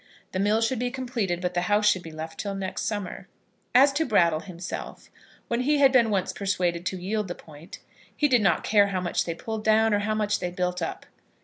The mill should be completed; but the house should be left till next summer. As to Brattle himself, when he had been once persuaded to yield the point, he did not care how much they pulled down, or how much they built up.